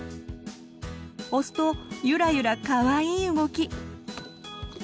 押すとユラユラかわいい動き！